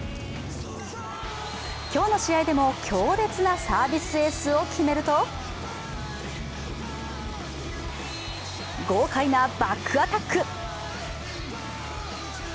今日の試合でも強烈なサービスエースを決めると豪快なバックアタック。